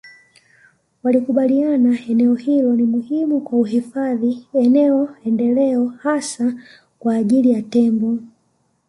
walikubaliana eneo hilo ni muhimu kwa uhifadhi eneo endeleo hasa kwa ajili ya tembo